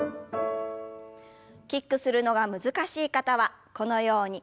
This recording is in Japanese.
キックするのが難しい方はこのように。